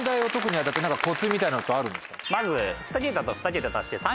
まず。